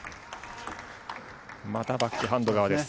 またバックハンド側です。